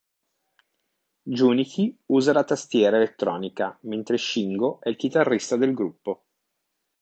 Junichi usa la tastiera elettronica mentre Shingo è il chitarrista del gruppo.